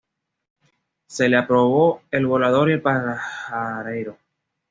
Se le apodó el Volador y el Pajarero.